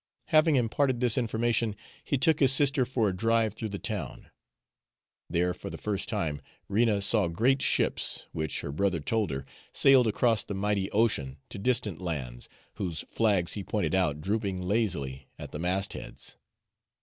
Having imparted this information, he took his sister for a drive through the town. There for the first time Rena saw great ships, which, her brother told her, sailed across the mighty ocean to distant lands, whose flags he pointed out drooping lazily at the mast heads.